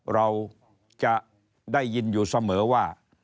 เราจะได้ยินอยู่เสมอว่า